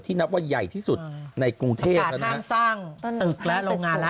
ที่นับว่าใหญ่ที่สุดในกรุงเทพฯตอนนี้ไม่ได้ลงงานละ